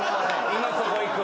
今そこいく？